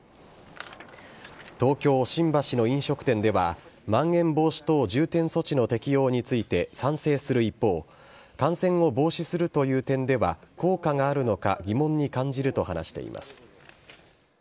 東京・新橋の飲食店では、まん延防止等重点措置の適用について、賛成する一方、感染を防止するという点では効果があるのか疑問に感じると話しています。